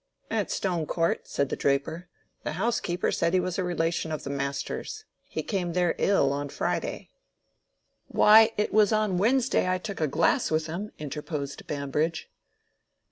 "At Stone Court," said the draper. "The housekeeper said he was a relation of the master's. He came there ill on Friday." "Why, it was on Wednesday I took a glass with him," interposed Bambridge.